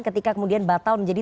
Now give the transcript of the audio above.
ketika kemudian batal menjadi